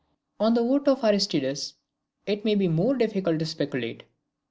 ] On the vote of Aristides it may be more difficult to speculate.